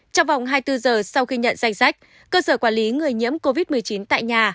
trong vòng hai mươi bốn giờ sau khi nhận danh sách cơ sở quản lý người nhiễm covid một mươi chín tại nhà